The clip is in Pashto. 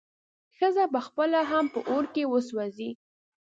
ښځه به پخپله هم په اور کې وسوځي.